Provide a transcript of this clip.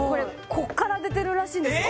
こっから出てるらしいんですよ